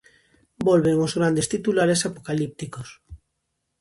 Volven os grandes titulares apocalípticos.